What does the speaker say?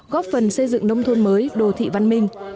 góp phần xây dựng nông thôn mới đồ thị văn minh